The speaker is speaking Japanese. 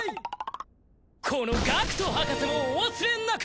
この学人博士もお忘れなく！